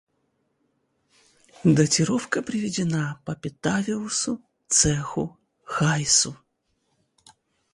датировка приведена по Петавиусу, Цеху, Хайсу